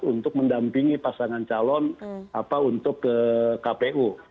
untuk mendampingi pasangan calon untuk ke kpu